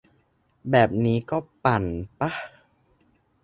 แบบนี้ก็ 'ปั่น' ป่ะ ?